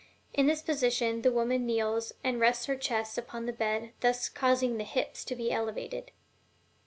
In this position the woman kneels, and rests her chest upon the bed, thus causing the hips to be elevated.